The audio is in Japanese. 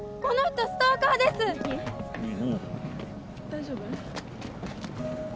大丈夫？